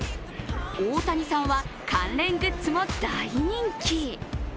大谷さんは、関連グッズも大人気。